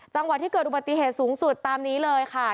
จังหวัดที่เกิดอุบัติเหตุสูงสุดตามนี้เลยค่ะ